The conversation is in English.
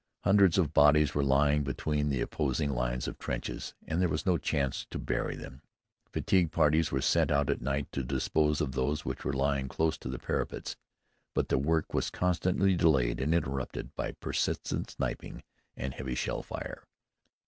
Hundreds of bodies were lying between the opposing lines of trenches and there was no chance to bury them. Fatigue parties were sent out at night to dispose of those which were lying close to the parapets, but the work was constantly delayed and interrupted by persistent sniping and heavy shell fire.